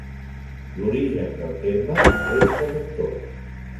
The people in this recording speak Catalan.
L'origen del terme resta dubtós.